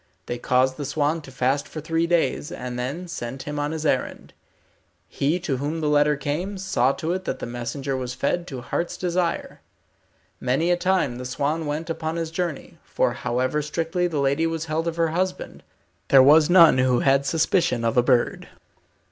They caused the swan to fast for three days, and then sent him on his errand. He to whom the letter came, saw to it that the messenger was fed to heart's desire. Many a time the swan went upon his journey, for however strictly the lady was held of her husband, there was none who had suspicion of a bird.